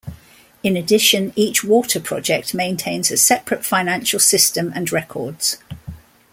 In addition, each water project maintains a separate financial system and records.